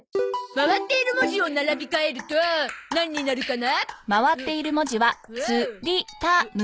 回っている文字を並び替えると何になるかな？